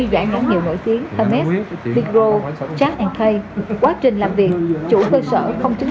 dụng các nhãn hiệu nổi tiếng hermès vigro trang kay quá trình làm việc chủ thơ sở không chứng